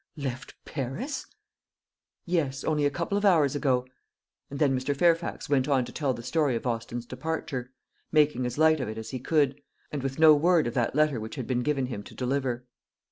"Left Paris!" "Yes, only a couple of hours ago." And then Mr. Fairfax went on to tell the story of Austin's departure, making as light of it as he could, and with no word of that letter which had been given him to deliver.